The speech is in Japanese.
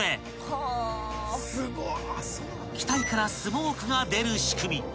［機体からスモークが出る仕組み］